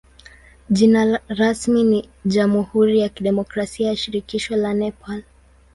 Jina rasmi ni jamhuri ya kidemokrasia ya shirikisho la Nepal.